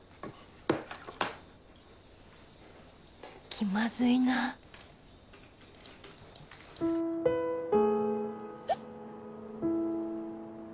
気まずいなえっ！？